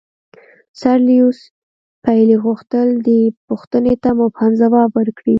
سر لیویس پیلي غوښتل دې پوښتنې ته مبهم ځواب ورکړي.